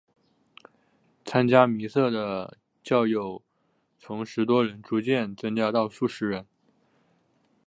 参加弥撒的教友从十多人逐渐增加到数十人。